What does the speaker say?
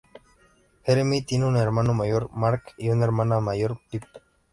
Jeremy tiene un hermano mayor, Mark y una hermana mayor, Pip.